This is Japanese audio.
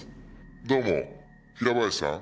「どうも平林さん？」